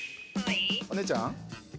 お姉ちゃん？